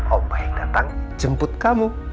om baik datang jemput kamu